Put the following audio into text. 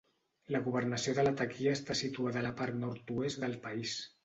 La Governació de Latakia està situada a la part nord-oest del país.